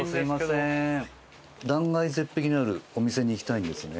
断崖絶壁にあるお店に行きたいんですね。